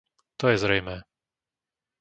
To je zrejmé.